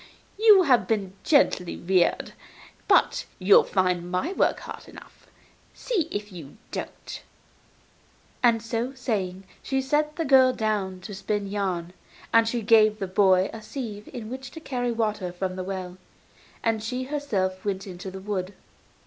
You have been gently reared, but you'll find my work hard enough. See if you don't.' And, so saying, she set the girl down to spin yarn, and she gave the boy a sieve in which to carry water from the well, and she herself went out into the wood.